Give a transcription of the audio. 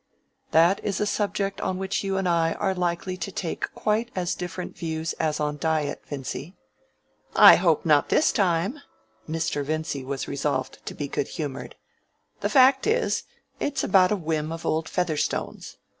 "That is a subject on which you and I are likely to take quite as different views as on diet, Vincy." "I hope not this time." (Mr. Vincy was resolved to be good humored.) "The fact is, it's about a whim of old Featherstone's.